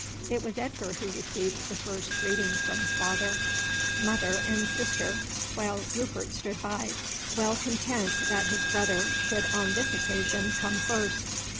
It was Edgar who received the first greeting from father, mother, and sister, while Rupert stood by, well content that his brother should on this occasion come first.